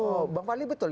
oh bang fadli betul